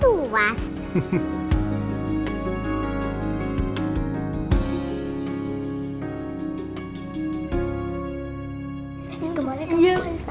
kemarin kamu atas tambutnya